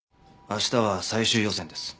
明日は最終予選です。